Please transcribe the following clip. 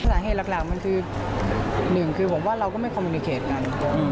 จนถ้าเหตุหลักหนึ่งคือผมว่าเราไม่คอมมูนิเคทกัน